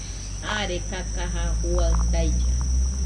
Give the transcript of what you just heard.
Aare kakaja juaɨ tailla